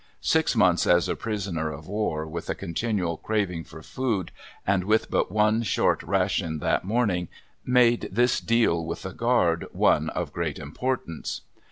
Six months as a prisoner of war with a continual craving for food and with but one short ration that morning made this deal with the guard one of great importance.